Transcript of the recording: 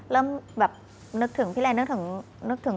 เริ่มแบบนึกถึงพี่เรน